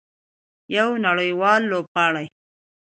یو نړیوال لوبغاړی.